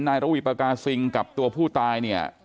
ระวีปากาซิงกับตัวผู้ตายเนี่ย